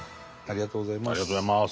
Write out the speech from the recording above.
ありがとうございます。